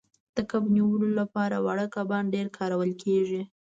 د کب نیولو لپاره واړه کبان ډیر کارول کیږي